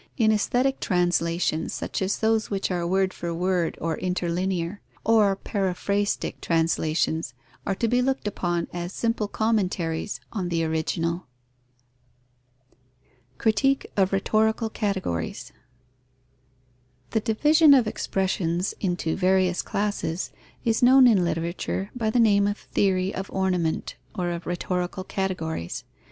In aesthetic translations, such as those which are word for word or interlinear, or paraphrastic translations, are to be looked upon as simple commentaries on the original. Critique of rhetorical categories. The division of expressions into various classes is known in literature by the name of theory of ornament or of rhetorical categories.